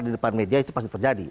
di depan media itu pasti terjadi